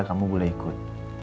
kamu boleh ikut